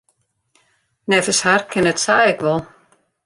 Neffens har kin it sa ek wol.